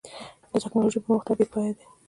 د ټکنالوجۍ پرمختګ بېپای دی.